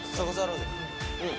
うん。